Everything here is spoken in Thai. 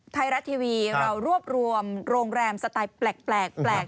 ไทยรัฐทีวีเรารวบรวมโรงแรมสไตล์แปลก